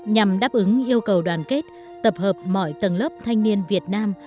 nhằm đáp ứng yêu cầu đoàn kết tập hợp mọi tầng lớp thanh niên việt nam